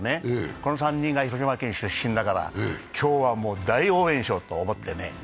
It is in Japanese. この３人が広島県出身だから今日ももう大応援しようと思ってね。